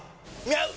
合う！！